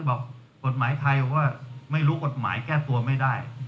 บอกกฎหมายไทยบอกว่าไม่รู้กฎหมายแก้ตัวไม่ได้